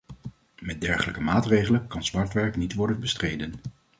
Met dergelijke maatregelen kan zwartwerk niet worden bestreden.